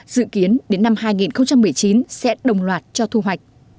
dự kiến đến năm hai nghìn một mươi chín sẽ đồng loạt cho thu hoạch